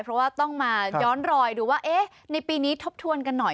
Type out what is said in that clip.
เพราะว่าต้องมาย้อนรอยดูว่าเอ๊ะในปีนี้ทบทวนกันหน่อย